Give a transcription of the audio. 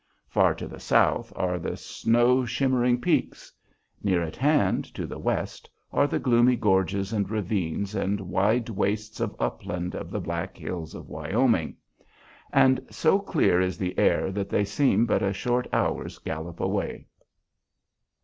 Far to the south are the snow shimmering peaks; near at hand, to the west, are the gloomy gorges and ravines and wide wastes of upland of the Black Hills of Wyoming; and so clear is the air that they seem but a short hour's gallop away.